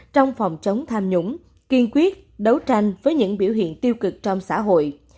trong phòng chống tham nhũng kiên quyết đấu tranh với những biểu hiện tiêu cực trong xã hội